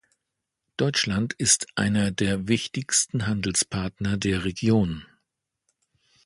Deutschland ist einer der wichtigsten Handelspartner der Region.